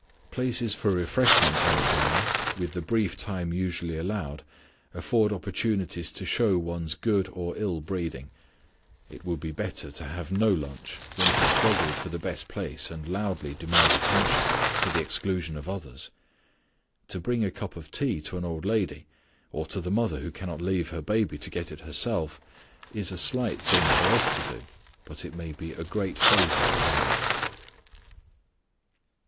Places for refreshment on a journey, with the brief time usually allowed, afford opportunities to show one's good or ill breeding. It would be better to have no lunch than to struggle for the best place and loudly demand attention, to the exclusion of others. To bring a cup of tea to an old lady, or to the mother who cannot leave her baby to get it herself, is a slight thing for us to do, but it may be a great favor to them.